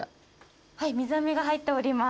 はい水あめが入っております。